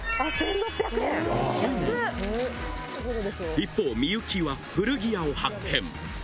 一方幸は古着屋を発見